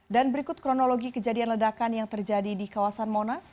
dan berikut kronologi kejadian ledakan yang terjadi di kawasan monas